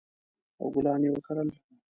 او ګلان یې وکرل